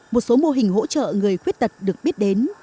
một số mô hình hỗ trợ người khuyết tật được biết đến